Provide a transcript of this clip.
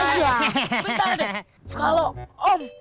bentar deh kalau om